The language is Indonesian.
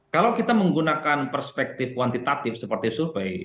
kalau kita menggunakan perspektif kuantitatif seperti survei